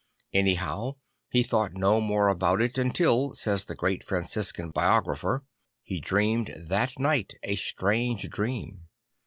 Anyhow he thought no more about it until, says the great Franciscan biographer, he dreamed that night a strange dream.